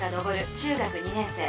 中学２年生。